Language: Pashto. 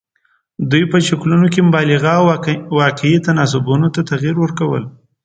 دوی په شکلونو کې مبالغه او واقعي تناسبونو ته تغیر ورکول.